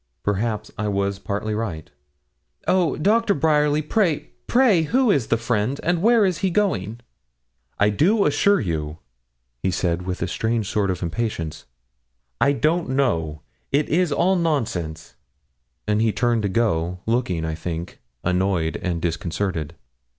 Perhaps I was partly right. 'Oh! Doctor Bryerly, pray, pray who is the friend, and where is he going?' 'I do assure you,' he said, with a strange sort of impatience, 'I don't know; it is all nonsense.' And he turned to go, looking, I think, annoyed and disconcerted.